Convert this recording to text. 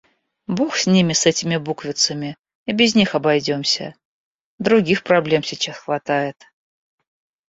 Бог с ними, с этими буквицами и без них обойдёмся. Других проблем сейчас хватает.